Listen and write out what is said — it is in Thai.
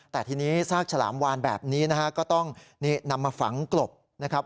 แต่ทีนี้ซากฉลามวานแบบนี้นะฮะก็ต้องนำมาฝังกลบนะครับ